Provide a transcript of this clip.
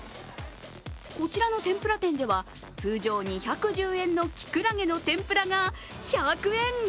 こちらの天ぷら店では、通常２１０円のきくらげの天ぷらが１００円。